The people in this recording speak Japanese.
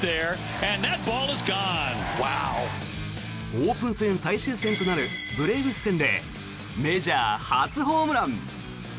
オープン戦最終戦となるブレーブス戦でメジャー初ホームラン。